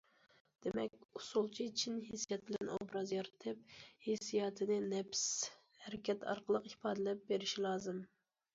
دېمەك، ئۇسسۇلچى چىن ھېسسىيات بىلەن ئوبراز يارىتىپ، ھېسسىياتىنى نەپىس ھەرىكەت ئارقىلىق ئىپادىلەپ بېرىشى لازىم.